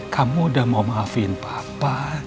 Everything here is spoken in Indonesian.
kamu udah mau maafin papa